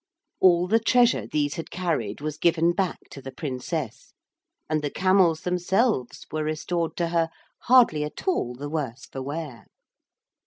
All the treasure these had carried was given back to the Princess, and the camels themselves were restored to her, hardly at all the worse for wear.